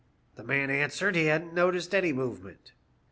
" The man answered he hadn't noticed any move ment.